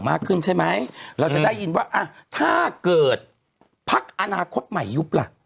ใช่ไหมเราจะได้ยินว่าอ่ะถ้าเกิดพักอนาคตใหม่ยุบล่ะ